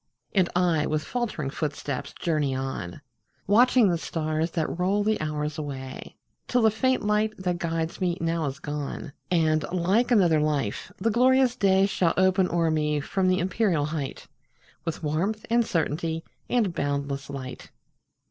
And I, with faltering footsteps, journey on, Watching the stars that roll the hours away, Till the faint light that guides me now is gone, And, like another life, the glorious day Shall open o'er me from the empyreal height, With warmth, and certainty, and boundless light.